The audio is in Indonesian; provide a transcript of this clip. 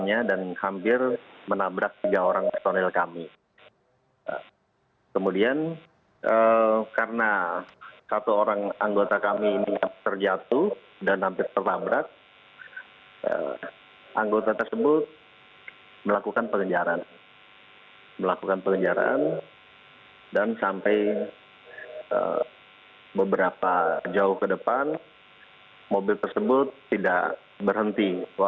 yang dilakukan oleh sata bata